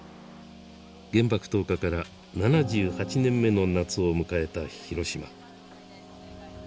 原爆投下から７８年目の夏を迎えた広島。